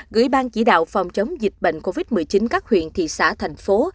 gửi bang chỉ đạo phòng chống dịch bệnh covid một mươi chín các huyện thị xã thành phố